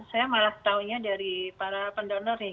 saya malah tahunya dari para pendonor nih